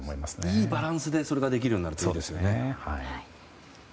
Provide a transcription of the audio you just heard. いいバランスでそれができるといいですね。